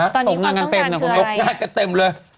ตอนนี้ต้องการคืออะไรต้องงานก็เต็มเลย